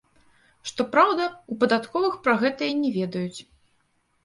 Што праўда, у падатковых пра гэтае не ведаюць.